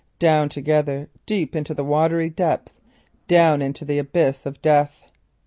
Down together, deep into the watery depths—into the abyss of Death.